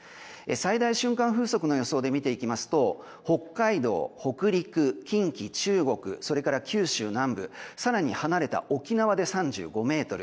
最大瞬間風速の予想で見ますと北海道、北陸、近畿、中国それから九州南部更に離れた沖縄で３５メートル。